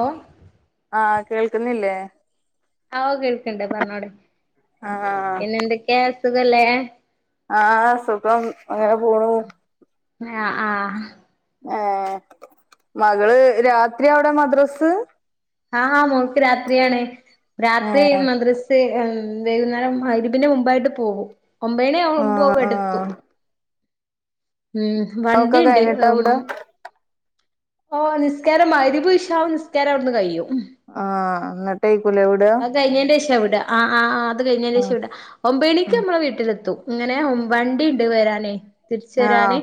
ഓ ആഹ് കേൾക്കുന്നില്ലേ? ആഹ് കേൾക്ക്ണ്ട് പറഞ്ഞൂട് ആഹ് പിന്നെ എന്തൊക്കെയാ സുഖല്ലേ? ആഹ് സുഖം അങ്ങനെ പോണു. ആഹ് ആഹ് ഏഹ് മകള് രാത്രിയാ അവിടെ മദ്രസ്? ആഹ് മോൾക്ക് രാത്രിയാണ് രാത്രി ഏഹ് മദ്രസ് സ് ഉം വൈകുന്നേരം മഗ്‌രിബിന്റെ മുമ്പായിട്ട് പോകും ഒമ്പണി ആവുമ്പോ ആഹ് ഇവിടെത്തും. ആഹ് ഉം അതൊക്കെ വണ്ടിണ്ട് കഴിഞ്ഞിട്ടാ ഉം വിടാ ഓ നിസ്കാരം മഗ്‌രിബും ഇശാഹും നിസ്കാരം അവിടന്ന് കഴിയും. ആഹ് ഇന്നട്ടയിക്കൂലെ വിടാ ഇത് കഴിഞ്ഞതിന്റെ ശേഷംവിടാ ആഹ് ആഹ് ആഹ് ഇത് കഴഞ്ഞതിന്റെ ആഹ് ശേഷം വിടാ. ഒമ്പണിക്ക് ഉം നമ്മളെ വീട്ടിലെത്തും ഇങ്ങനെ വണ്ടിണ്ട് വരാനേ തിരിച്ച് ആഹ് വരാന്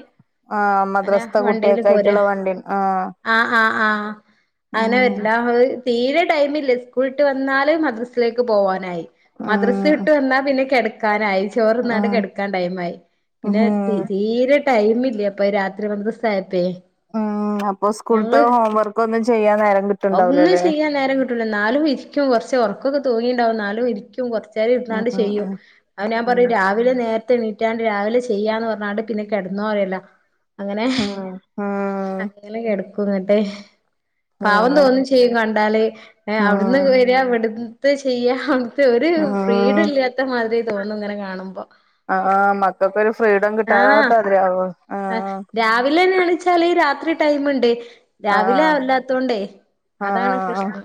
അനെ വണ്ടിയില് പോരാ. ണ്ടിൻ ആഹ് ആഹ് ആഹ് ആഹ് ഉം അങ്ങനെ വരില്ലാ ഹ് തീരെ ടൈമില്ല സ്കൂൾട്ട് വന്നാല് മദ്രസിലേക്ക് പോകാനായി. മദ്രസ് ഉം വിട്ട് വന്നാ പിന്നെ കിടക്കാനായി. ചോറ്ന്നാണ്ട് ഉം കെടക്കാൻ ടൈം ആയി പിന്നെ ഉം തി തീരെ ടൈം ഇല്ലപ്പൊ രാത്രി മദ്രസ് ആയപ്പേ ഉം അപ്പൊ ഞങ്ങള് സ്കൂള്ത്തെ ഹോംവർക്ക് ഒന്നും ചെയ്യാൻ നേരം കിട്ടുണ്ടാവൂലല്ലേ? ന്നാലും ഇരിക്കും. കുറച്ച് ഉറക്കൊക്കെ തൂങ്ങീണ്ടാവും ന്നാലും ഇരിക്ക് ക്കും കൊറചേരം ഉം ഇുന്നാണ്ട് ചെയ്യും ഉം അത് ഞാൻ ഉം പറയും രാ രാവിലെ നേരത്തെ എണീറ്റാണ്ട് രാവിലെ ചെയ്യാന്ന് പറഞ്ഞാണ്ട് പിന്നെ കിടന്നോന്ന് പറയലാ അങ്ങനെ ആം അങ്ങനെ കിടക്കും ഇങ്ങട്ട് പാവം നിങ്ങ തോന്നും ചെ ചെയ്യും കണ്ടാല് അവിടുന്ന് ഉം വെരാ ഇവിടുത്തെ ചെയ്യാ ത് ഒരു ഫ്രീഡം ഉം ഇല്ലാത്തെ മാതിരി തോന്നും ഇങ്ങനെ കാണുമ്പോ ആഹ് മക്കൾക്കൊരു ഫ്രീഡം കിട്ടാത്താതിരി ആവോ ആ രാവിലെന്നാണ വെച്ചാല് രാത്രി ടൈമ്ണ്ട് രാവിലെ ആഹ് ആവല്ലാത്തോണ്ടേ അതാണ് ആഹ് പ്രശ്നം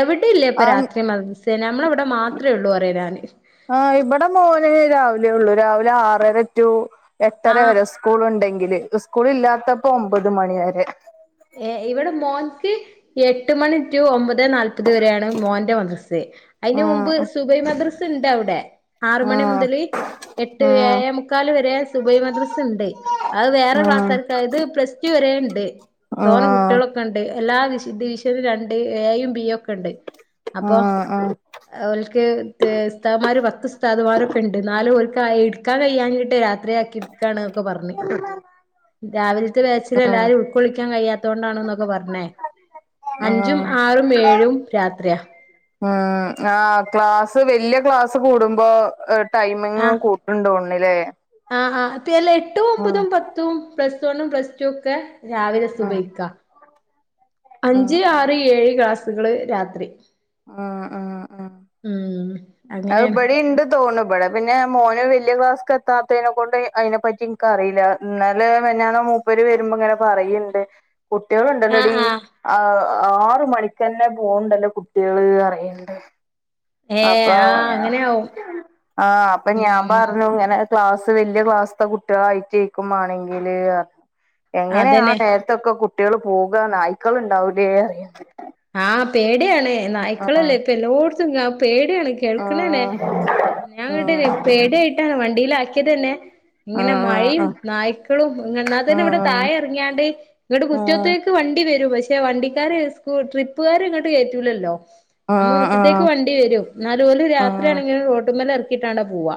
എവിടെ ഇല്ല ഇപ്പ ആഹ് രാത്രി മദ്രസ് അതെ നമ്മളെ ഇവിടെ മാത്രേ ഉള്ളൂ പറയാ ഞാന് ആഹ് ഇവിടെ മോന് രാവിലെ ഉള്ളൂ രാവിലെ ആറര ടു എട്ടര ആഹ് വരെ സ് സ്കൂൾ ഉണ്ടെങ്കില് സ്കൂള് ഇല്ലാത്തപ്പോ ഒമ്പത് മണി വരെ ഏഹ് ഇവിടെ മോൻക്ക് എട്ട് മണി ടു ഒമ്പതേ നാല് അപ്പത് വരെയാണ് മോന്റെ മദ്രസ് അതിന് മുമ്പ് ആഹ് സുബൈ മദ്രസ് ഉണ്ട് അവിടെ ആറ് മണി ആഹ് മുതല് എട്ട് ആഹ് ഏഴെ മുക്കാൽ വരെ സുബൈ മദ്രസ് ഉണ്ട് അത് വേറെ ആഹ് ക്ലാസാർക്ക് ആതായത് പ്ലസ് ടു വരെണ്ട് തോനെ ആഹ് കുട്ടികളൊ ഒക്കെണ്ട് എല്ലാ വിശ ഡിവിഷനും രണ്ട് ഏയും ബിയും ഒക്കെ ഉണ്ട് അപ്പൊ ആഹ് ആഹ് ഓൽക്ക് ഉസ്താദ്മാര് പത്ത് ഉസ്ഥാ മാരൊക്കെ ഉണ്ട് എന്നാലും ഓൽക്ക് എടുക്കാൻ കഴിയാഞ്ഞി ട്ട് രാത്രി [unintelligible] ഒക്കെ പറഞ്ഞ് രാവിലത്തെ ബാച്ചില് എല്ലാരു ആഹ് ഉൾകൊള്ളിക്കാൻ കഴിയാത്തൊണ്ടാണ് എന്നൊക്കെ പറഞ്ഞെ അഞ്ചും ആഹ് ആറും ഏഴും രാത്രിയാ ഉം ആ ക്ലാസ്സ് വല്ല്യ ക്ലാസ്സ് കൂടുമ്പോ ടൈമിങും കൂട്ടുണ്ടോണിലെ ആ ആ അതെല്ലേ എട്ടും ഒമ്പതും പത്തും പ്ലസ്സ് വണ്ണും പ്ലസ്റ്റുക്കെ രാവിലെ ആഹ് സുബയിക്കാ ആഹ് അഞ്ച് ആഹ് ആറ് ഏഴ് ക്ലാസ്സുകള് രാത്രി ആഹ ഉം അത് അങ്ങനെയാണ് ഇബടേം ണ്ട് തോന്നും ബടെ പിന്നെ മോന് വലിയ ക്ലാസ്ക്ക് എത്താത്തേനെ കൊണ്ട് അതിനെപ്പറ്റി എനിക്കറിയില്ല എന്നലെ മെനിഞ്ഞാന്ന് മുപ്പര് വരുമ്പൊ ഇങ്ങനെ പറയുണ്ട് ആഹ് കുട്ടികളുണ്ടല്ലോടീ ആഹ് ആ ആറ് മണിക്കന്നെ പോകണ്ടല്ലോ കുട്ടികള് അറിയണ്ട് ഏഹ് ആ് ആഹ് അങ്ങനെയാവും അപ്പൊ ഞാൻ ഉം പറഞ്ഞു ഇങ്ങനെ ക്ലാസ്സ് വല്ല്യ ക്ലാസ്ത്തെ കുട്ടികളായിട്ടേക്കും മാണെങ്കില് എങ്ങനെയാ ആ അതന്നെ നേര ത്തൊക്കെ കുട്ടികൾ പോകാ നായ്ക്കള്ണ്ടാവൂലേ പറിയ ആഹ് പേടിയാണ് നായ്ക്കളല്ലേ ഇപ്പം എല്ലോടത്തും പേടിയാണ് കേൾക്കണെണെ ആഹ് ഞാൻ ഉം എന്നിട്ടില്ലെ പേടി ആയിട്ടാണ് വണ്ടിയിലാക്കിയത് ന്നെ ഉം ഇങ്ങനെ ഉം മഴയും ഉം നായ്ക്കളും എന്നാ തന്നെ ഇവിടെ താഴെ ഇറങ്ങിയാണ്ട് ഇങ്ങട്ട് ഉം മുറ്റത്തേക്ക് വണ്ടി വരും പക്ഷെ വണ്ടിക്കാര് സ്കൂ ൾ ട്രിപ്പുകാര് ഇങ്ങട്ട് കേറ്റൂലല്ലോ അമ്മ ഉം മുറ്റത്തേക്ക് ഉം വണ്ടി വരും എന്നാലും ഓല് ഉം രാത്രിയാണെങ്കിലും റോട്ടു മ്മല് ഇറക്കിട്ടാണ് പോവാ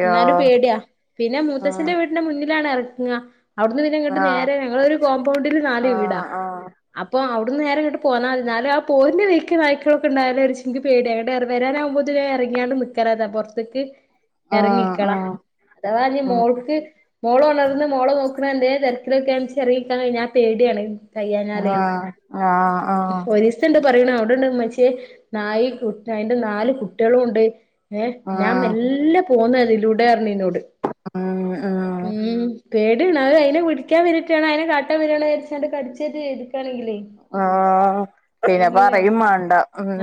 യ്യോ എന്നാലു പേടിയാ പിന്നെ ഉം മൂത്തച്ഛന്റെ വീടിന്റെ മുന്നിലാണ് എറങ്ങാ അവിടുന്ന് പിന്നെ ഇങ്ങട്ട് ആഹ് നേരെ ഞങ്ങളൊരു കോമ്പൗണ്ടില് നാല് വീടാ ആഹ് ആഹ് അപ്പൊ അവിടന്ന് നേരെ ഇങ്ങോട്ട് പോന്നാ മതി ന്നാലും ആ പോരണെ വയിക്ക് നായ്ക്കളൊക്കെ ഉണ്ടായാല ഒരു ഇച്ചിരി പേടിയ അങ്ങട്ട് വരാന് ആവു മ്പോതിന് ഇറങ്ങിയാണ്ട് നി [unintelligible] പൊറത്ത്ക്ക് ഉം ഇറങ്ങിക്കണം ഉം അഥവാ ഇനി ഉം മോൾക്ക് മോള് ഉണർന്ന് മോളെ നോക്കണ എന്തേര് തെരക്കിലൊക്കെ ആണ് വെച്ചാൽ എറങ്ങി നിക്കാൻ കഴിഞ്ഞാ പേടിയാണ് കഴിയാഞ്ഞാലെ ആഹ ഒരീസ ണ്ട് പറയണ അവിടെ ഇൻ്റെ ഉമ്മച്ചി നായി കുട്ടി അയിന്റെ നാല് കുട്ടികളും ണ്ട് ഏ ഞാൻ ഉം മെല്ലെ പോന്നതിലൂടെ പറഞ്ഞ് ഇന്നോട് ആഹ ആ ഉം പേടിയാണ് അത് അയിനെ പിടിക്കാൻ വരെട്ടാണ് അതിനെ കാട്ടാൻ വരാണ് വിചാരിചാണ്ട് കടിച്ചെറ്റം ചെയ്തിക്കാണേലെ ആഹ കഴിഞ്ഞീലെ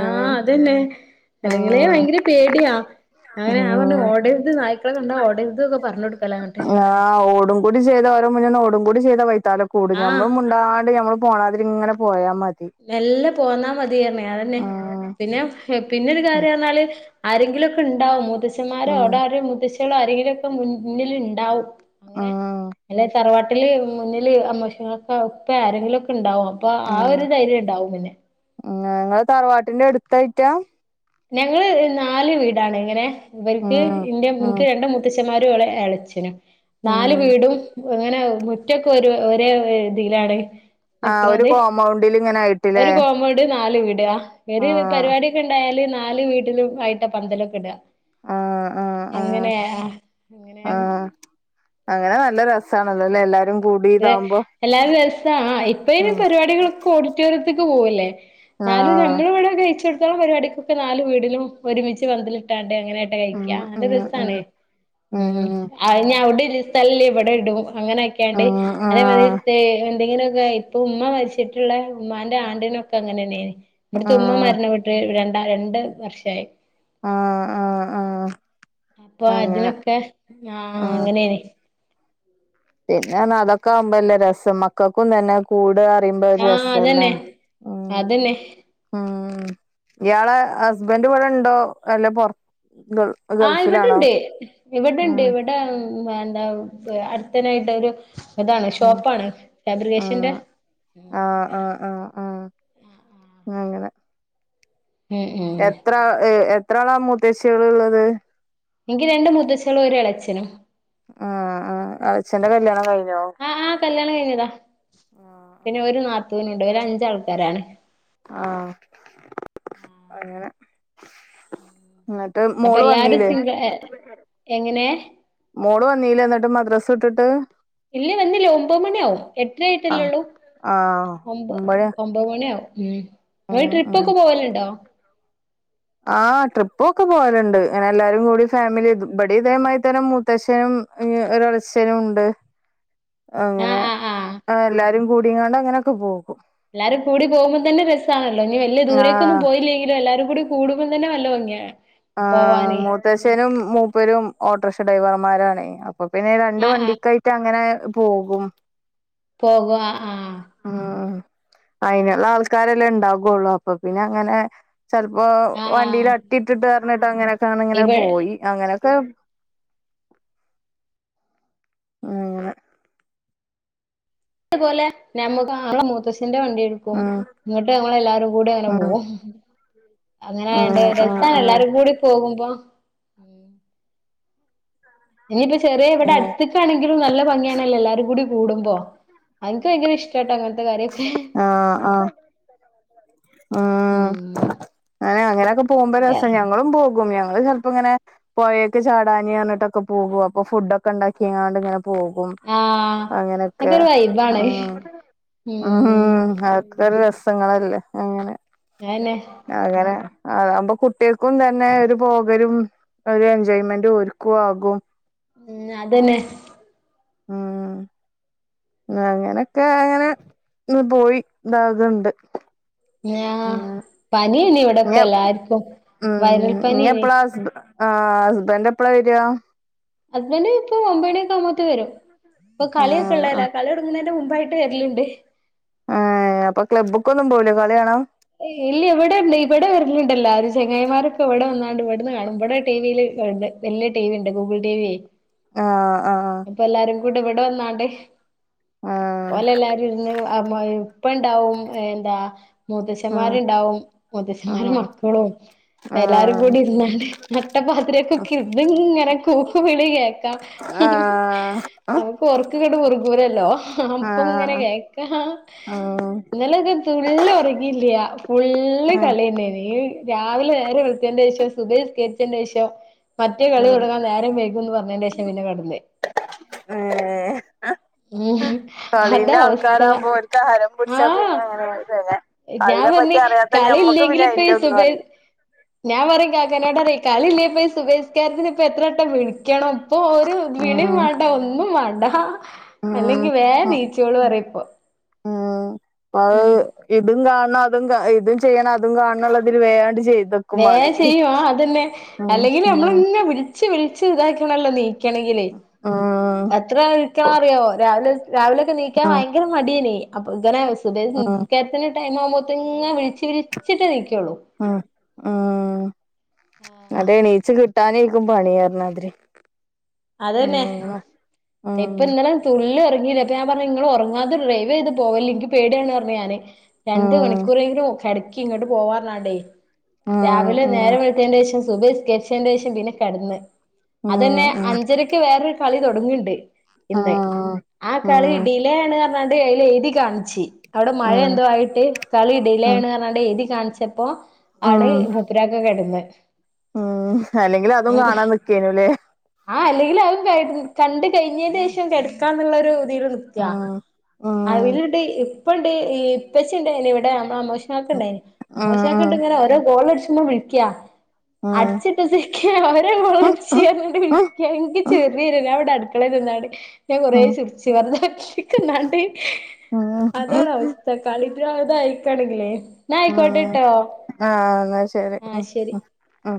ആഹ അതന്നെ അല്ലെങ്കിലേ ഉം ഭയങ്കര പേടിയാ അങ്ങനെ ഞാൻ പറഞ്ഞ് ഉം ഓടരുത് നായ്ക്കളെ കണ്ടാ ഓടരുത് ഒക്കെ പറഞ്ഞ് കൊടുക്കലാ അങ്ങട്ട് ആ് ഓടും കൂടി ചെയ്ത ഓരോ മുന്നോന്ന് ഓടും കൂടി ചെയ്ത വൈത്താല കൂടി ആഹ് ഞമ്മള് മുണ്ടാണ്ട് മ്മ പോണാതിരി ഇങ്ങനെ പോയാ മതി മെല്ലെ പോന്നാ മതിയാർന്നെ അതന്നെ ഉം പിന്നെ പിന്നെൊരു ഉം കാര്യംന്നാല് ആരെങ്കിലൊക്കെ ഉണ്ടാവും മൂ മൂത്തച്ഛന്മാരോ അവിടെ ആരോ മൂത്തച്ചീളോ അവിടെ ആരെങ്കിലും ഒക്കെ മുന്നിൽണ്ടാവും അങ്ങനെ ഉം തറവാട്ടി വാട്ടില് മുന്നിൽ അമ്മോശൻ കാക്ക ഇപ്പ ആരെങ്കിലുക്കെ ഉണ്ടാവാം ഉം ഉ ങ്ങള് തറവാട്ടിന്റെ അടുത്തായിട്ടാ ഞങ്ങള് നാല് വീടാണ് ഇങ്ങനെ ഇവർക്ക് ഉം ഇ ഉം നിനിക്ക് രണ്ട് മൂ മൂ ത്തച്ഛന്മാരും എളച്ചനും നാല് ഉം വീടും ങ്ങനെ മുറ്റക്കെ ഒരു ഒരേ ഇതിയിലാണ് ആഹ് ഒരു നിക്കണത് കോമ്പൗണ്ടില് ഇങ്ങനെ ആയിട്ടില്ലേ ഒരു കോമ്പോട് നാല് വീടാ ഒരു ആഹ് പരിപാടിയൊക്കെ ഉണ്ടായാല് നാല് വീട്ടിലും ആയിട്ട പന്തലൊക്കെ ഇടുക ആഹ് ആഹ് ആഹ് അങ്ങനെ അങ്ങനെ ആഹ് അങ്ങനെ നല്ല രസാണല്ലോല്ലേ എല്ലാരും കൂടി അ ഇതാവുമ്പോ എല്ലാരും നല്ല രസാ ആ ഇപ്പഅയ്‌ന് ഉം പരിപാടികളൊക്കെ ഓഡിറ്റോറിയത്തേക്ക് പോവല്ലേ നാല് ആഹ് നഞമ്മൾ ഇവിടെ കഴിച്ച കൊടുത്തോളം പരിപാടിക്കൊക്കെ നാല് വീടിലും ഒരുമിച്ച് പന്തൽ- അങ്ങനെട്ട കഴിക്ക ഉം ന ഉം ഉം രസാണ് ഉം ഇനി അവിടെയാ തല്ലല് ഇവിടെ ഇടും അങ്ങനെയൊക്കെയണ്ട് ഉം അതേ ആഹ് എന്തെങ്കിലുമൊക്കെ ഇപ്പൊ ഉമ്മ മരിച്ചിട്ടില്ല ഉമ്മാന്റെ ആണ്ടിനൊക്കെ അങ്ങനെന്നെന്- ഇവിടത്തുമ്മ ആഹ് മരണ പ്പെട്ടിട്ട് രണ്ടാ രണ്ട് വർഷമായി. ആഹ് ആഹ് ആഹ് അപ്പൊ അങ്ങനെ അതിനൊക്കെ ആഹ് അങ്ങനെയേ പിന്നെ അതൊക്കെ ആകുമ്പോ എല്ല രസം മക്കൾക്കും തന്നെ- കൂട് അറിയുമ്പോ ഒരു ആഹ് രസല്ലേ അതന്നെ അതന്നെ ഉം ഇയാളെ ഹസ്ബൻഡ ഇവിടെ ഉണ്ടോ? അല്ല പുറത്തോ ആ ഇവിടെണ്ട്. ഇവിടെണ്ട് ഇവിടെ എന്താ അടുത്തനായിട്ട് ഒരു അതാണ് ഉം ഷോപ്പാണ് ഫാബ്രിഫേഷൻ്റ- ആഹ് ആഹ് ആഹ് ആഹ് ആഹ് അങ്ങനെ ഉം ഉം എത്ര എത്ര ആളാ മൂത്തചികൾ ഉള്ളത്? എനിക്ക് രണ്ടു മുത്തച്ച്ചളും ഒര് ഇളച്ചനും. ആഹ് ആഹ് അഛന്റെ കല്യാണം കഴിഞ്ഞോ? ആഹ് ആഹ് കല്യാണം കഴിഞ്ഞതാ ആഹ് ആഹ് പിന്നെ ഒരു നാത്തവിനുണ്ട് ഒരു അഞ്ച ആൾക്കാരാണ്. ആഹ് അങ്ങനെ- എന്നിട്ട് അപ്പൊ മോള് എല്ലാരും വന്നീലെ? സിംഗിൾ എ എങ്ങനെ? മോള് വന്നീല എന്നിട്ട് മദ്രാസ വീട്ടിട്ടു? ഇല്ലേ വന്നില്ലേ ഒമ്പത് മണിയ ആവും എട്ടര ആഹ് ആയിട്ടുള്ളൂ ആഹ് ഒബ് ഒമ്പത് ഒൻപത് മണി ആകും ഉം നിങ്ങൾ ട്രിപ്പ് ഒക്കെ പോവലുണ്ടോ? ആ് ട്രിപ്പ ഒക്കെ പോയലുണ്ട് അങ്ങനെ എല്ലാരും കൂടി ഫാമിലി ഇവിടെയും ഇങ്ങനെത്തന്നെ മൂത്തച്ഛൻ ഒരു ഇളച്ഛനും ഉണ്ട്. ആഹ് അങ്ങനെ ആഹ് ആഹ് എല്ലാരും കൂടിയങ്ങാണ്ട് അങ്ങനെയൊക്കെ പോകും. എല്ലാരുംൂടി പോുമ്പോം തന്നെ രസാണല്ലോ ഇനി വലിയ ദൂരേക്കൊന്നും ആഹ് പോയില്ലെങ്കിലും എല്ലാരും കൂടി കൂടുമ്പോം തന്നെ നല്ല ഭംഗിയാണ്- ആഹ് മൂത്ത്ശനും മൂപ്പരും ഓട്ടോറിക്ഷ ഡ്രൈവർമാരെണ അപോ പിന്നെ രണ്ട് ആഹ് ആഹ് വണ്ടിക്കായിട്ട് അങ്ങനെ പോകും. പോകവാ ആഹ് ഉം അയിനുള്ള ആൾക്കാരെല്ലാം ഉണ്ടകുള്ളൂ അപ്പൊ പിന്നെ അങ്ങനെ- ചിലപ്പോ ആഹ് വണ്ടിൽ ആഹ് അട്ടിയിട്ടിട്ട് പറഞ്ഞിട്ട് അങ്ങനെയൊക്കെണ് ഇങ്ങനെെ ഇവ പോയി- അങ്ങനെയൊക്കെ ഉം അങ്ങനെ. ഇത് പോലെ [unintelligible] കാറോ മൂത്തച്ചന്റെ വണ്ടിട് ക്കും ഉം ന്നട്ട് ഞങ്ങളെല്ലാരും കൂടി അങ്ങനെ ഉം പോവും. ഉം അങ്ങനെആയോണ്ട് ഉം രസാണ് ഉം എല്ലാരും കൂടി പോകുമ്പോ. ഇഞ്ഞിപ്പം ചെറിയ ഇവിടെ ഉം അടുത്തക്കാണെങ്കിലും നല്ല ഭംഗിയാണല്ലോ എല്ലാരും കൂടി കൂടുമ്പോ എനിക്ക് ഭയങ്കര ഇഷ് കേട്ടോ അങ്ങനത്തെ കാര്യം. ആഹ് ആഹ് ആഹ്. ഉം അങ്ങനെ അങ്ങനെയൊക്കെ പോകുമ്പോ രസംഞങ്ങളും പോകും ഞങ്ങള് ചെലപ്പോ ങ്ങനെ പൊയെക്ക് ചാടാന് പറഞ്ഞ്ട്ടൊക്കെ പോകും അപ്പൊ ഫു‌ഡോക്കെ ഇണ്ടാക്കിങ്ങാണ്ട് ങ്ങനെ പോകും ആഹ് അങ്ങനൊക്കെ അതൊരു വൈബാണ് ആഹ്- ഉം അഒക്കെ ഒര് രസങ്ങളല്ലേ അങ്ങനെ- അതെന്നെ- അങ്ങനെ അതാവുമ്പ കുട്ടികൾക്കും തന്നെ ഒരു പോകലും. ഒരു എൻജോയ്മെന്റ് ഓര്ക്കും ആകും. ഉം. അതന്നെ- ആഹ്- ഉം അങ്ങനൊക്കെ അങ്ങനെ പോയി ഇതാക്ണ്ട്. ആഹ് പനിയല്ലേ ഇനി ഇവിടൊക്കെ എല്ലാർക്കും ഉം വൈറൽ പനിയാണ് [unintelligible] ആഹ് ഹസ്ബൻഡ് എപ്പഴാ വരാ ഹസ്ബൻഡ് ഇപ്പം ഒമ്പേണി ഒക്കെ ആവുമ്പോത്തിന് വരും ഇപ്പം കളിയൊക്കെ ആഹ് ഉള്ളല്ലേ ആഹ് കളിതൊടങ്ങണേന്റെ മുമ്പായി [unintelligible] ഏഹ് അപ്പൊ ക്ലബ്ബ്‌ക്കൊന്നും പോവൂലെ കളി കാണാൻ? ഇല്ല ഇവിടെ ഉണ്ട് ഇവടെ വെരലുണ്ടെല്ലാരും ചെങ്ങായിമാരൊക്കെ ഇവിടെ വന്നാണ്ട് ഇവിടുന്ന് കാണും ഇവിടെ ടിവീല് ഇണ്ട്. വല്ല്യ ടി വി ണ്ട് ഗൂഗിൾ ടി വി. ആഹ് ആഹ് ഇപ്പല്ലാരും കൂടെ ഇവിടെ വന്നാണ്ട് ആഹ് ഓലെല്ലാരും. [unintelligible] പ്പം ഇണ്ടാവും ഏഹ് എന്താ. ആഹ് മുത്തച്ചന്മാരുണ്ടാവും മുത്തച്ചന്മാരും ആഹ് മക്കളും. ആഹ് എല്ലാരും കൂടി ഇര്ന്നാണ്ട് നട്ടപ്പാതിരക്കൊക്ക ഇരുന്നങ്ങനെ കൂക്കും വിളി കേക്കാ. ആഹ് അവർക്ക് ഒറക്കങ്ങട്ട് മുർകൂലല്ലോ. അപ്പൊ ഇങ്ങനെ ആഹ് കേക്കാം ആഹ് ഇന്നലെയൊക്കെ തുള്ളി ഒറങ്ങി യില്ല്യ ഫുള്ള് ആഹ് കളിന്നെ ആണ് നീ. രാവില നേരം വെളുത്തേന്റേഷം സുബ്ഹി നിസ്‌കരിച്ചേന്റേഷം. മറ്റേ കളി ആഹ് തുടങ്ങാൻ നേരം വൈകുംന്ന് പറഞ്ഞന്റെഷം പിന്നെ കെടന്നേ ഏഹ് ഉം കളീന്റെ അതാ അവസ്ഥ ആൾക്കാരാകുമ്പോ ഓര്ക്ക് ഹരം പിടിച്ചാ പിന്നെ ആഹ് അങ്ങനെക്കെ തന്നെ. ഞാൻ പറഞ്ഞ് അയിനെപ്പറ്റി അറിയാത്ത കളി ഞമ്മക്ക് പിന്നെ ഇല്ലെങ്കില് ഇപ്പ അയിന്റെ ഈ ഒന്നും സുബൈ അറി ഞാൻ പറിം കാക്കനോടറിം കളില്ലേ സുബ്ഹിസ്കാരത്തിന് ഇപ്പ എത്രട്ടം വിളി ക്കണം ഇപ്പൊ ഒരു വിളിയും ഉം വേണ്ട ഒന്നും വേണ്ട. അല്ലെങ്കി വേം ഉം നീച്ചോളും പറിപ്പോ. ഉം അത് ഇതും കാണണം അതും കാ ഇതും ചെയ്യണം അതും കാണണം ന്ന് ള്ളതില് വേണ്ട് ചെയ്ത വേഗം ചെയ്യും അതന്നെ ഉം അല്ലെങ്കിൽ ഉം നമ്മളിങ്ങ് വിളി ച്ച് വിളിച്ച് ഇതാക്കണല്ലോ എണീക്കണെങ്കിൽ ഉം എത്ര വിളിക്കണന്നറിയോ രാവിലെ. രാവിലെക്കെ ണീക്കാൻ ഉം ഭയങ്കര മടിയേനി അപ്പൊ ഇങ്ങനെ ഉം സുബ്ഹിനിസ്കാരത്തിന്. ടൈം ആവുമ്പോത്തേ ഇങ്ങനെ വിളിച്ച വിളിച്ചിട്ട് ണീക്കോള്ളു. അ ആഹ് ആഹ് അത് എണീച്ച് കിട്ടാനായിരിക്കും പണിയാരുന്നത് അതന്നെ ആഹ് ഇപ്പൊ ഇന്നലെ തുള്ളി ഉറങ്ങിയില്ല അപ്പൊ ഞാൻ പറഞ്ഞു നിങ്ങള് ഉറങ്ങാതെ ഡ്രൈവ് ചെയ്ത് പോവല്ല് എനിക്ക് പേടിയാണ് പറഞ്ഞ് ഞാന് രണ്ട് ഉം മണിക്കൂറെങ്കിലും കിടക്കി ഇങ്ങോട്ട് പോവാറനാടേ ഉം രാവിലെ നേരം ഉം വെളു ത്തേന്റെ ശേഷം സുബ്നിസ്കരിച്ചേന് ശേഷം പിന്നെ കെടന്ന് ഉം അതന്നെ ഉം അഞ്ചരക്ക് വേറൊരു കളി തുടങ്ങണ്ട് ഇന്ന് ആഹ് ആ കളി ഉം ഡിലേ ആണ് പറഞ്ഞാണ്ട് അയിൽ എഴുതി കാണിച്ച് അവിടെ മഴ ഉം എന്തോ ആയിട്ട് കളി ഉം ഡിലെയാണ് പറഞ്ഞോണ്ട് എഴുതി കാണിച്ചപ്പോ ആണ് ഉം മൂപ്പരക്കെ കെടന്ന് ഉം അല്ലെങ്കിൽ അതും കാണാൻ നിക്കേലല്ലേ ആഹ് അല്ലെങ്കിൽ അതും ക കണ്ട് കഴിഞ്ഞതിന് ശേഷം കിടക്കാന്നുള്ളൊരുതിൽ ഉം ഉം അതിലുണ്ട് ഇപ്പണ്ട് ഇപ്പച്ചിണ്ട് ഇവിടെ നമ്മോ മോക്കണ്ടായിന് ഉം ഉം മോശാക്കണ്ട് ഇങ്ങനെ ഓരോ ഗോളടിച്ച് വിളിക്കാ ഉം അടച്ചിട്ട് നിക്കുവാ ഒരോ ഉം ഗോളടിച്ച് പറഞ്ഞോണ്ട് എനിക്ക് ഉം ചെറിയൊര് ഞാൻ ഇവിടെ അടുക്കളയിൽ നിന്നാണ്ട് ഞാൻ കൊറേ ഉം ചിരിച്ച് വെറുതാക്കിക്കൊണ്ടാണ്ട് ഉം അതാണ് അവസ്ഥ കളിട്ടത് ആയിക്കാണില്ലേ എന്നാ ഉം ആയിക്കോട്ടെട്ടോ ആഹ് എന്നാ ശരി ഉം ആഹ് ശരി ഉം